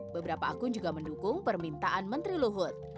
beberapa akun juga mendukung permintaan menteri luhut